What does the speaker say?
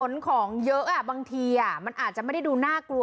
ขนของเยอะบางทีมันอาจจะไม่ได้ดูน่ากลัว